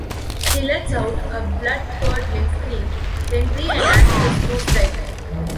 He lets out a blood-curdling scream, then re-enacts his nose dive.